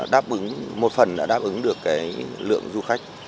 đáp ứng một phần đã đáp ứng được lượng du khách